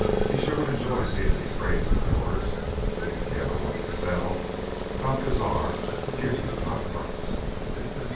He sure would enjoy seem' these grays o' yours. Iffen you ever want to sell, Don Cazar'd give you top price."